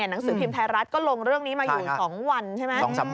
หนังสือพิมพ์ไทยรัฐก็ลงเรื่องนี้มาอยู่๒วันใช่ไหม